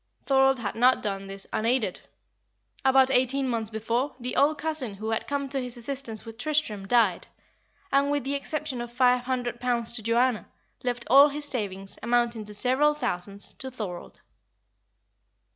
Thorold had not done this unaided. About eighteen months before, the old cousin who had come to his assistance with Tristram, died, and, with the exception of five hundred pounds to Joanna, left all his savings, amounting to several thousands, to Thorold.